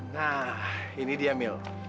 nah ini dia mil